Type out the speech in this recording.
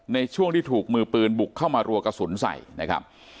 ในช่วงที่ถูกมือปืนบุกเข้ามารัวกระสุนใส่นะครับ